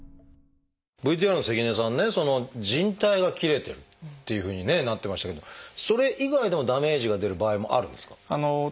ＶＴＲの関根さんね靭帯が切れてるっていうふうにねなってましたけどそれ以外でもダメージが出る場合もあるんですか？